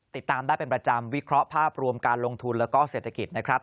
ติดตามได้เป็นประจำวิเคราะห์ภาพรวมการลงทุนแล้วก็เศรษฐกิจนะครับ